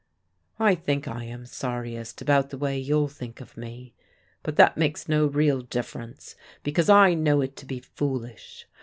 "I think I am sorriest about the way you'll think of me. But that makes no real difference, because I know it to be foolish.